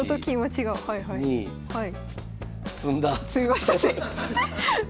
はい。